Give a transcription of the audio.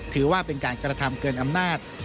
ถือว่าเป็นการกระทำเกินอำนาจ